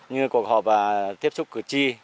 như cuộc họp tiếp xúc cử tri